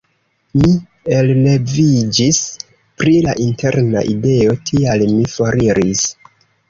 Mi elreviĝis pri la interna ideo, tial mi foriris.